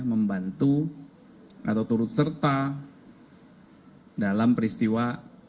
membantu atau turut serta dalam peristiwa